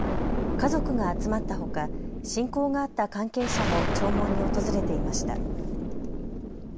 家族が集まったほか親交があった関係者も弔問に訪れていました。